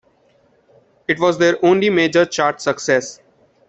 It was their only major chart success.